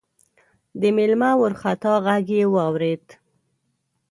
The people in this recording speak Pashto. د مېلمه وارخطا غږ يې واورېد: